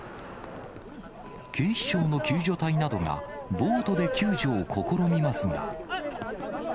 警視庁の救助隊などがボートで救助を試みますが。